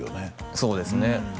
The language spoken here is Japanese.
そうですね